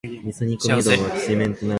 幸せ